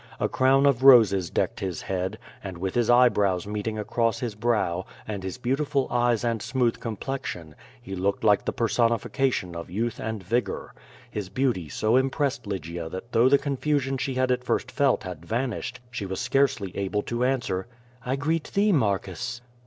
A crown of roses decked his head, and with his eye brows meeting across his brow, and his beautiful eyes and smooth complexion, he looked like the personification of youth and vigor. His beauty so impressed Lygia that though the confusion she had at first felt had vanished, she was scarcely able to answer: "I greet thee, Marcus.'